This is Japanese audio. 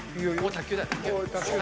卓球だよ。